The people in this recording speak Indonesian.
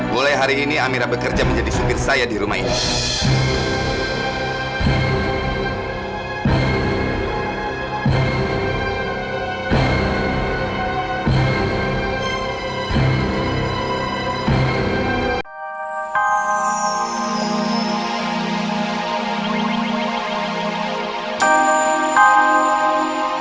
boleh hari ini amira bekerja menjadi supir saya di rumah ini